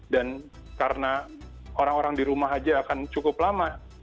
dan karena orang orang di rumah aja akan cukup lama